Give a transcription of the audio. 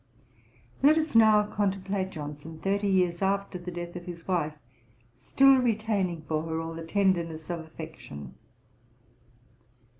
Let us now contemplate Johnson thirty years after the death of his wife, still retaining for her all the tenderness of affection.